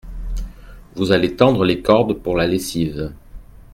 Vous allez tendre les cordes pour la lessive.